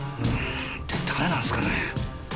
って誰なんすかね？